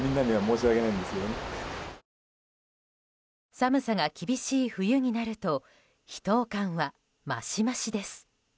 寒さが厳しい冬になると秘湯感はましましです。